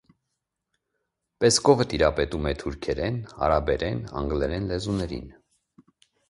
Պեսկովը տիրապետում է թուրքերեն, արաբերեն, անգլերեն լեզուներին։